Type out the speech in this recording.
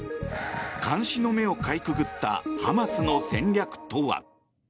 監視の目をかいくぐったハマスの戦略とは。